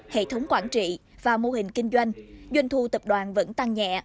hệ thống quản trị và mô hình kinh doanh doanh thu tập đoàn vẫn tăng nhẹ